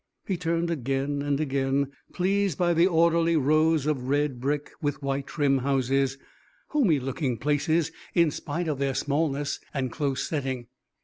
He turned again and again, pleased by the orderly rows of red brick with white trim houses, homey looking places in spite of their smallness and close setting.